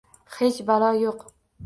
Hech balo yo`q